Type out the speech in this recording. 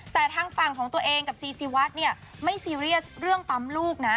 แต่ทางฝั่งของตัวเองกับซีซีวัดเนี่ยไม่ซีเรียสเรื่องปั๊มลูกนะ